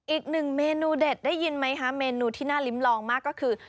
อีกหนึ่งเมนูเด็ดได้ยินไหมคะเมนูที่น่าลิ้มลองมากก็คือ